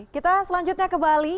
kita selanjutnya ke bali